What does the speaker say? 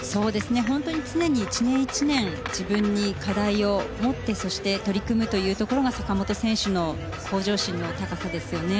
本当に常に１年１年自分に課題を持って取り組むというところが坂本選手の向上心の高さですよね。